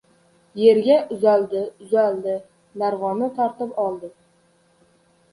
Yerga uzaldi-uzaldi, narvonni tortib oldi.